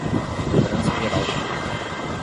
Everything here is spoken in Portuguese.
Cobrança geral do povo